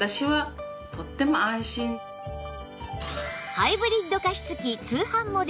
ハイブリッド加湿器通販モデル